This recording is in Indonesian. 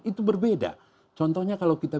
itu berbeda contohnya kalau kita